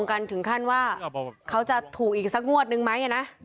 พอส่องพงกันถึงขั้นว่าเขาจะถูกอีกงวดนึงไหม